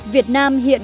việt nam hiện